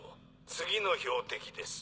次の標的です。